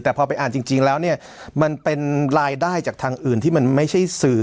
แต่พอไปอ่านจริงแล้วเนี่ยมันเป็นรายได้จากทางอื่นที่มันไม่ใช่สื่อ